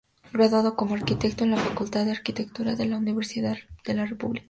Graduado como arquitecto en la Facultad de Arquitectura de la Universidad de la República.